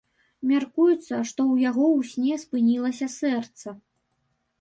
Мяркуецца, што ў яго ў сне спынілася сэрца.